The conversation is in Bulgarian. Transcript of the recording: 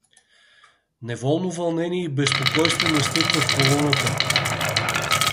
Неволно вълнение и безпокойство настъпва в колоната.